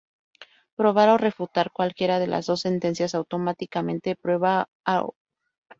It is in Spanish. Probar o refutar cualquiera de las dos sentencias automáticamente prueba o refuta la otra.